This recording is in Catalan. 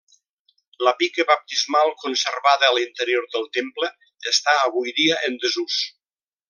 La pica baptismal conservada a l'interior del temple, està avui dia en desús.